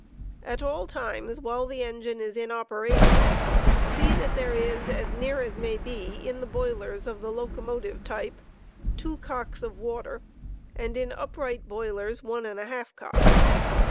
At all times, while the engine is in operation, see that there is, as near as ^ Quantity of may be, in boilers of the locomotive type, two cocks of water, and in upright boilers w * one and a half cocks.